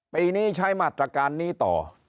ปีนี้ใช้มาตรการนี้ต่อ